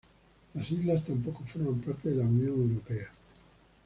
Las islas tampoco forman parte de la Unión Europea.